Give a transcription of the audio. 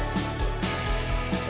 aku bisa melihatnya dari segi pandangan